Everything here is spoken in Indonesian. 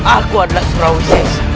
aku adalah surawis